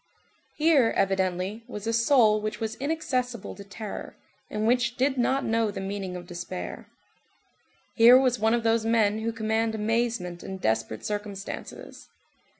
Here, evidently, was a soul which was inaccessible to terror, and which did not know the meaning of despair. Here was one of those men who command amazement in desperate circumstances.